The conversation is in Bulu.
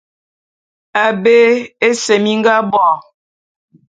Abé ese mi nga bo.